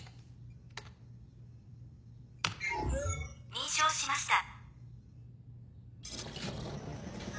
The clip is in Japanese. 認証しました。